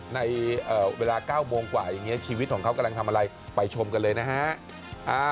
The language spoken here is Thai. ในเวลา๙โมงกว่าอย่างนี้ชีวิตของเขากำลังทำอะไรไปชมกันเลยนะฮะ